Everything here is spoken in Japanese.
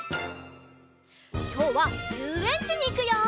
きょうはゆうえんちにいくよ！